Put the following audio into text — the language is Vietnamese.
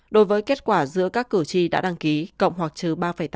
đối với kết quả giữa các cử tri đã đăng ký cộng hoặc trừ ba tám